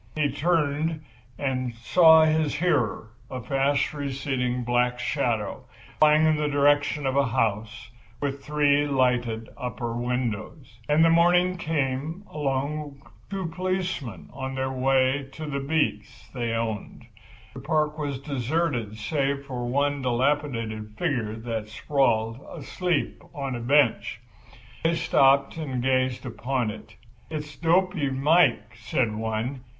He turned and saw his hearer, a fast receding black shadow, flying in the direction of a house with three lighted upper windows. And in the morning came along two policemen on their way to the beats they owned. The park was deserted save for one dilapidated figure that sprawled, asleep, on a bench. They stopped and gazed upon it. "It's Dopy Mike," said one.